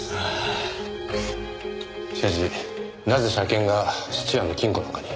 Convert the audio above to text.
しかしなぜ車券が質屋の金庫なんかに？